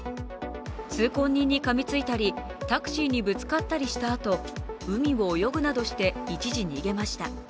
通行人にかみついたりタクシーにぶつかったりしたあと海を泳ぐなどして一時逃げました。